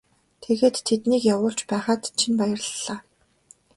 Тэгээд тэднийг явуулж байгаад чинь баярлалаа.